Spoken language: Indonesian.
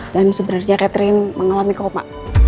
dan sebenarnya catherine mengalami koma